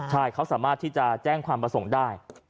ใช่เขาสามารถที่จะแจ้งความประสงค์ได้